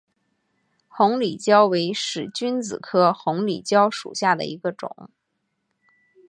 红里蕉为使君子科红里蕉属下的一个种。